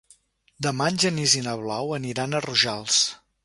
Demà en Genís i na Blau aniran a Rojals.